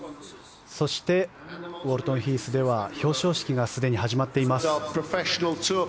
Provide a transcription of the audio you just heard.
そして、ウォルトンヒースでは表彰式がすでに始まっています。